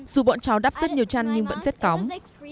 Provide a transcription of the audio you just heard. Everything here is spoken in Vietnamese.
dù bọn cháu đắp rất nhiều chăn nhưng vẫn rất cóng